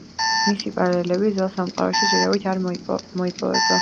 მისი პარალელები ძველ სამყაროში ჯერჯერობით არ მოიპოვება.